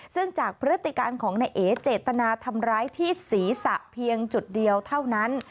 ซึ่งจากพฤติการของนายเอ๋เจตนาทำร้ายที่ศีรษะเพียงจุดเดียวเท่านั้น